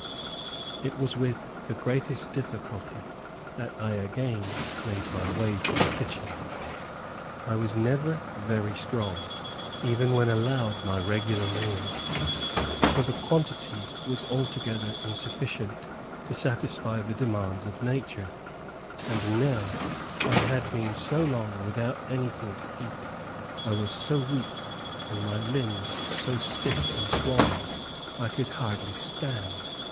It was with the greatest difficulty that I again made my way to the kitchen. I was never very strong, even when allowed my regular meals, for the quantity, was altogether insufficient, to satisfy the demands of nature; and now I had been so long without anything to eat, I was so weak, and my limbs so stiff and swollen, I could hardly stand.